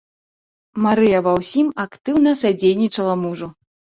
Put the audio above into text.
Марыя ва ўсім актыўна садзейнічала мужу.